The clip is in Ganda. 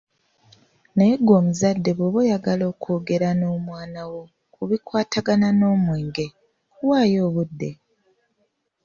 Naye ggwe omuzadde bwoba oyagala okwogera n’omwana wo ku bikwatagana n’omwenge, waayo obudde.